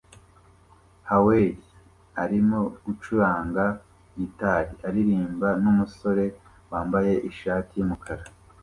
ya Hawayi arimo gucuranga gitari aririmbana numusore wambaye ishati yumukara